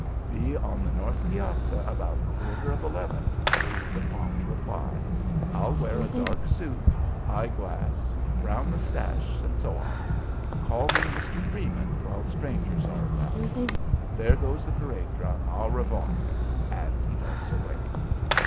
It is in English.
"Be on the north piazza about quarter of eleven," is the prompt reply. "I'll wear a dark suit, eye glass, brown moustache, etc. Call me Mr. Freeman while strangers are around. There goes the parade drum. Au revoir!" and he darts away.